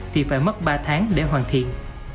thì phải mất ba tháng để hoàn thiện